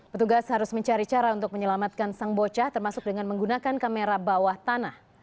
petugas harus mencari cara untuk menyelamatkan sang bocah termasuk dengan menggunakan kamera bawah tanah